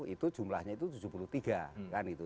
itu jumlahnya itu tujuh puluh tiga